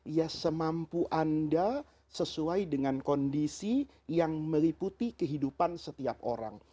ya semampu anda sesuai dengan kondisi yang meliputi kehidupan setiap orang